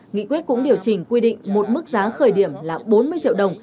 nghị quyết cũng điều chỉnh quy định một mức giá khởi điểm là bốn mươi triệu đồng